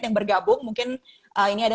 yang bergabung mungkin ini ada